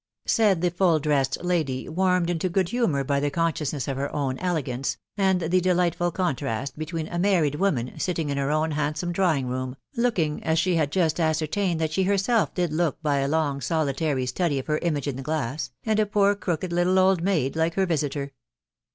" said the full dressed lady, warmed into good humour by the consciousness of her own elegance, and the delightful contrast between a married woman, sitting in her own handsome drawing room (looking as she had just ascertained that she herself did look by a long solitary study of her image in the glass), and a poor crooked little old maid like her visiter.